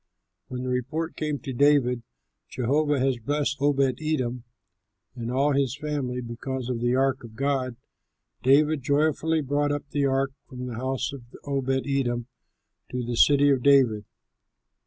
When the report came to David, "Jehovah has blessed Obed edom and all his family because of the ark of God," David joyfully brought up the ark from the house of Obed edom to the City of David.